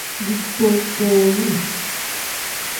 Ditootowure.